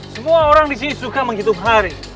semua orang disini suka menghitung hari